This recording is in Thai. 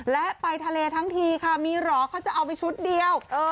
และไปทะเลทั้งทีค่ะมีเหรอเขาจะเอาไปชุดเดียว